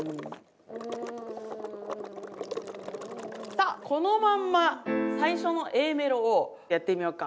さあこのまんま最初のＡメロをやってみようか。